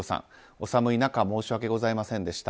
お寒い中申し訳ございませんでした。